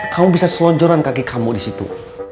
kamu bisa selonjoran kaki kamu disitu